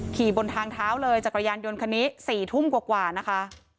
บนทางเท้าเลยจักรยานยนต์คันนี้๔ทุ่มกว่านะคะ